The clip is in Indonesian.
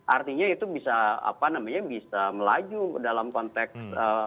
artinya itu bisa apa namanya bisa melaju dalam konteks